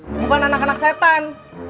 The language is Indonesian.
bukan anak anak setan